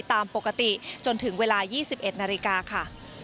ตามปกติจนถึงเวลา๒๑นาฬิกาค่ะ